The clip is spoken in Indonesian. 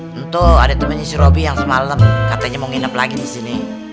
tentu ada temennya si rubi yang semalem katanya mau nginep lagi disini